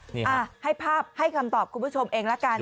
นี่ให้ภาพให้คำตอบคุณผู้ชมเองละกัน